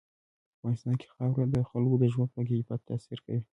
په افغانستان کې خاوره د خلکو د ژوند په کیفیت تاثیر کوي.